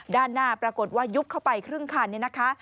ด้านหน้าปรากฏว่ายุบเข้าไปครึ่งคันเนี่ยนะคะ